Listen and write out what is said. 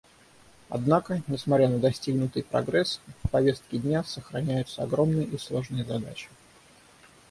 Однако, несмотря на достигнутый прогресс, в повестке дня сохраняются огромные и сложные задачи.